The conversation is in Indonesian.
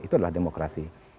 itu adalah demokrasi